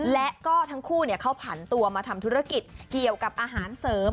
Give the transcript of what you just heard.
และก็ทั้งคู่เขาผันตัวมาทำธุรกิจเกี่ยวกับอาหารเสริม